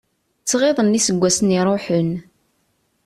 Ttɣiḍen iseggasen iruḥen.